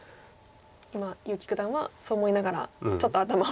今結城九段はそう思いながらちょっと頭を。